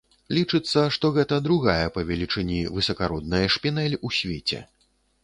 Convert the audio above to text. Лічыцца, што гэта другая па велічыні высакародная шпінэль у свеце.